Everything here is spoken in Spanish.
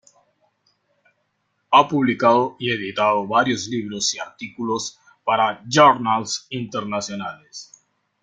Ha publicado y editado varios libros y artículos para journals internacionales.